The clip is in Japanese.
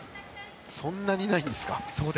そんなにないんですか。